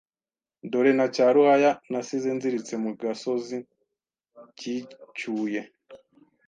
dore na cya Ruhaya nasize nziritse mu gasozi cyicyuye